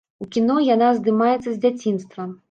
У кіно яна здымаецца з дзяцінства.